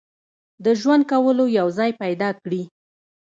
د ژوند کولو یو ځای پیدا کړي.